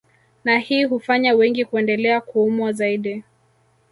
Na hii hufanya wengi kuendelea kuumwa zaidi